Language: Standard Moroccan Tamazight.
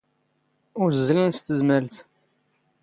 ⵓⵣⵣⵍⵏ ⵙ ⵜⵣⵎⴰⵍⵜ.